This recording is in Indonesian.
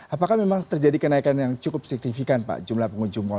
apakah memang terjadi kenaikan yang cukup signifikan pak jumlah pengunjung mal